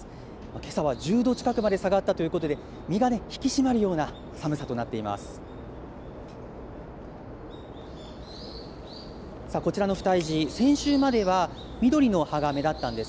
けさは１０度近くまで下がったということで、身が引き締まるような寒さとなっています。